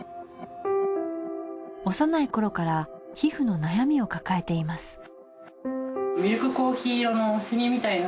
幼い頃から皮膚の悩みを抱えています。